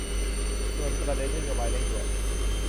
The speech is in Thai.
ส่วนประเด็นนโยบายเร่งด่วน